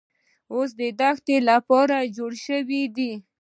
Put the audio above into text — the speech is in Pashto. اوښ د دښتې لپاره جوړ شوی دی